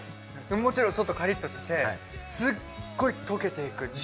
もちろん外カリッとしててすごい溶けていく。